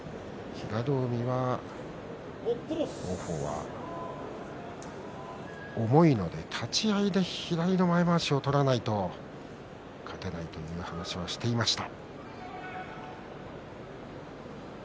平戸海は、王鵬は重いので立ち合いで左の前まわしを取らないと勝てないという話もしていました。